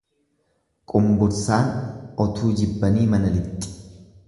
Qumbursaan otuu jibbanii mana lixxi.